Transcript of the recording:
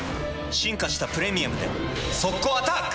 進化した「プレミアム」で速攻アタック！